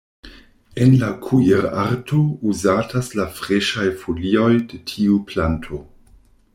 En la kuirarto uzatas la freŝaj folioj de tiu planto.